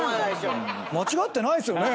間違ってないですよね？